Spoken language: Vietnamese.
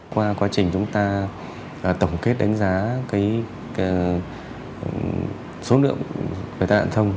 qua quá trình chúng ta tổng kết đánh giá số lượng về tai nạn thông